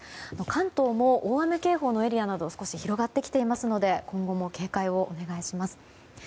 関東も大雨警報のエリアなど少し広がってきていますので今後も警戒をお願いします。